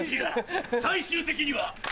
最終的には。